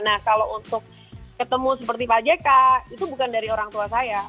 nah kalau untuk ketemu seperti pak jk itu bukan dari orang tua saya